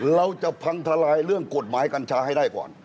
เราจะพังทลายเรื่องกฎหมายกัญชาให้ได้ก่อน